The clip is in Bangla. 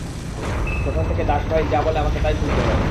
তখন থেকে দাস ভাই যা বলে আমাকে তাই শুনতে হয়।